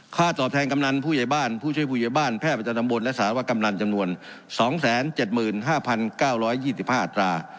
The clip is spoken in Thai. ตอบแทนกำนันผู้ใหญ่บ้านผู้ช่วยผู้ใหญ่บ้านแพทย์ประจำตำบลและสารวกำนันจำนวน๒๗๕๙๒๕อัตรา